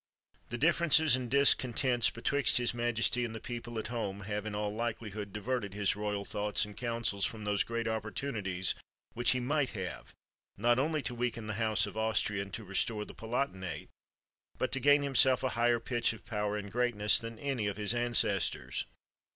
The differences and discontents betwixt his majesty and the people at home, have in all likelihood diverted his royal thoughts and coun sels from those great opportunities which he might have, not only to weaken the House of Austria, and to restore the palatinate, but to gain himself a higher pitch of power and great ness than any of his ancestors.